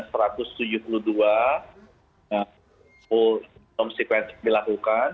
sudah genome sequencing dilakukan